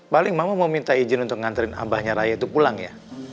paling mama mau minta izin untuk nganterin abahnya raya itu pulang ya